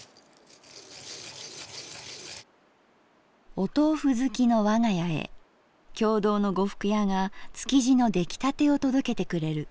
「お豆腐好きのわが家へ経堂の呉服屋が築地の出来たてを届けてくれる。